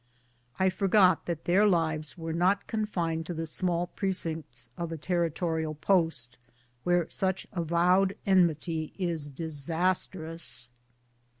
I forgot that their lives were not confined to the small precincts of a territorial post, where such avowed enmity is disas trous.